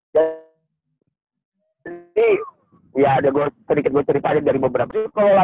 jadi ya ada gue sedikit gue cerita aja dari beberapa